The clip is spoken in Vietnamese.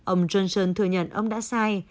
ông johnson thừa nhận ông đã sai